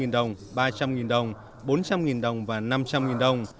hai trăm linh đồng ba trăm linh đồng bốn trăm linh đồng và năm trăm linh đồng